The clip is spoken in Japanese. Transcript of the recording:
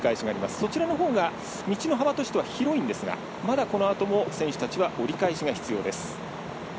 そちらのほうが道の幅としては広いんですが、まだ、このあとも選手たちは折り返しが必要です。